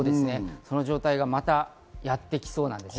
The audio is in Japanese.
その状態がまたやってきそうです。